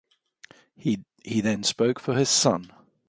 He then spoke to his son.